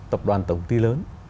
các tập đoàn tổng kinh tế lớn